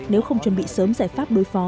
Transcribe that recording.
nếu không chuẩn bị sớm giải pháp đối phó